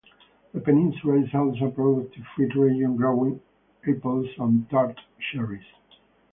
The peninsula is also a productive fruit region growing apples and tart cherries.